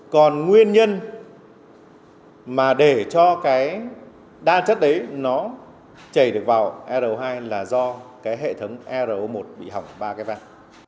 còn nguyên nhân mà để cho cái đa chất đấy nó chảy được vào ro hai là do cái hệ thống ro một bị hỏng ba cái van